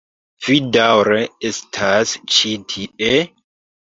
Vi daŭre estas ĉi tie?